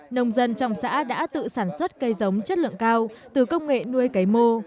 nông dân trong xã đã tự sản xuất cây giống chất lượng cao từ công nghệ nuôi cấy mô